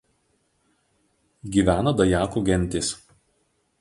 Gyvena dajakų gentys.